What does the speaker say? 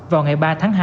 vào ngày ba tháng hai